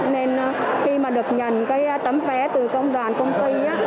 nên khi mà được nhận cái tấm vé từ công đoàn công sư